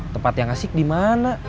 tempat yang asik di mana